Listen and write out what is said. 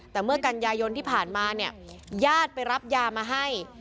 แต่เมื่อกันยายนที่ผ่านมาเนี่ยญาติไปรับยามาให้